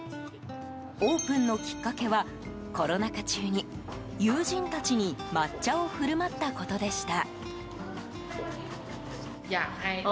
オープンのきっかけはコロナ禍中に友人たちに抹茶を振る舞ったことでした。